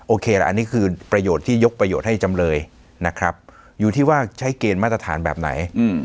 อันนี้คือประโยชน์ที่ยกประโยชน์ให้จำเลยนะครับอยู่ที่ว่าใช้เกณฑ์มาตรฐานแบบไหน